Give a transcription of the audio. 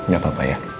gak apa apa ya